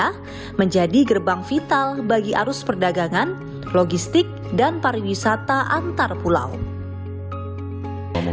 indonesia menjadi gerbang vital bagi arus perdagangan logistik dan pariwisata antar pulau